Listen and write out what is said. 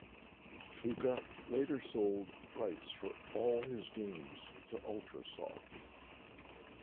Fuka later sold rights for all his games to Ultrasoft.